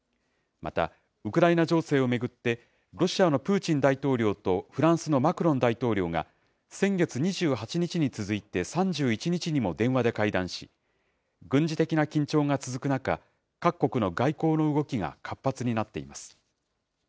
また、ウクライナ情勢を巡って、ロシアのプーチン大統領と、フランスのマクロン大統領が、先月２８日に続いて３１日にも電話で会談し、軍事的な緊張が続く中、各国の外交の動きが活発になっています。